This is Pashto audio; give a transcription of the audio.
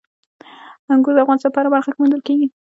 انګور د افغانستان په هره برخه کې موندل کېږي.